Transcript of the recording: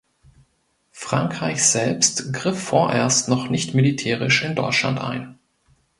Frankreich selbst griff vorerst noch nicht militärisch in Deutschland ein.